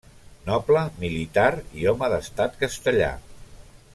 Noble, militar i home d'estat castellà.